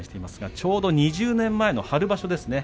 ちょうど２０年前の春場所ですね。